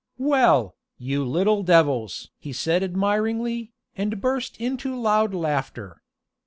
"Well, you little devils!" he said admiringly, and burst into loud laughter.